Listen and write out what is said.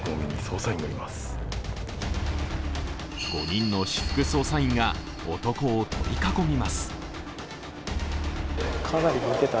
５人の私服捜査員が男を取り囲みます。